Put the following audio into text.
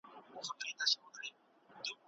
ځینو څېړنو مثبتې نښې ښودلې دي.